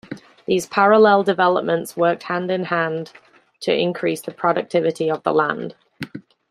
These parallel developments worked hand in hand to increase the productivity of the land.